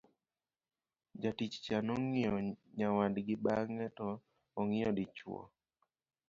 jatich cha nongiyo nyawadgi bang'e to ong'iyo dichuo